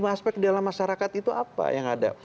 aspek dalam masyarakat itu apa yang ada